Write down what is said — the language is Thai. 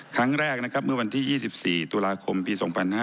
ครั้งแรกเมื่อวันที่๒๔ตุลาคมปี๒๕๖๒